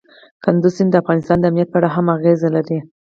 کندز سیند د افغانستان د امنیت په اړه هم اغېز لري.